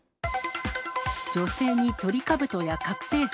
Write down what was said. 女性にトリカブトや覚醒剤。